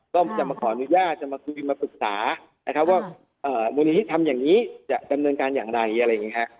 ก็จะมาขออนุญาตจะมาคุยมาปรึกษานะครับว่ามูลนิธิทำอย่างนี้จะดำเนินการอย่างไรอะไรอย่างนี้ฮะ